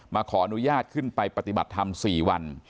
ขออนุญาตขึ้นไปปฏิบัติธรรม๔วัน